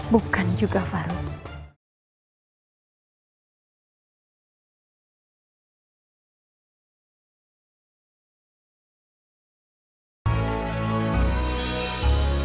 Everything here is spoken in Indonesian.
bukan juga farouk